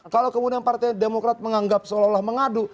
kalau kemudian partai demokrat menganggap seolah olah mengadu